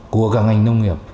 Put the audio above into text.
của cả ngành nông nghiệp